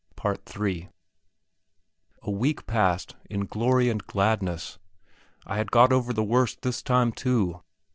Part III A week passed in glory and gladness. I had got over the worst this time, too.